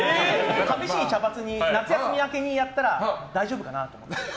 試しに、茶髪に夏休み明けにやったら大丈夫かなと思って。